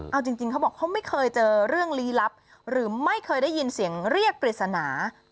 เอาจริงเขาบอกเขาไม่เคยเจอเรื่องลี้ลับหรือไม่เคยได้ยินเสียงเรียกปริศนา